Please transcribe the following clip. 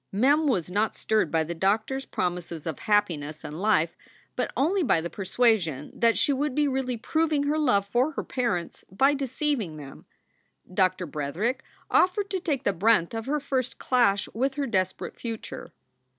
Mem was not stirred by the doctor s promises of happiness SOULS FOR SALE 33 and life, but only by the persuasion that she would be really proving her love for her parents by deceiving them. Doctor Bretherick offered to take the brunt of her first clash with her desperate future.